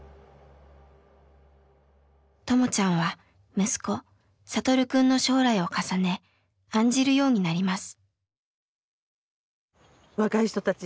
ともちゃんは息子聖くんの将来を重ね案じるようになります。